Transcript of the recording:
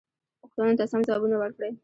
پوښتنو ته سم ځوابونه ورکړئ.